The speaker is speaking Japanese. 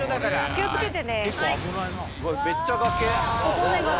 気を付けて。